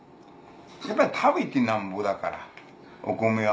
やっぱり食べてなんぼだからおコメは。